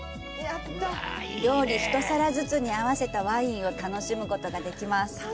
料理一皿ずつに合わせたワインを楽しむことができます。